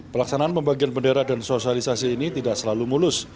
pelaksanaan pembagian bendera dan sosialisasi ini tidak selalu mulus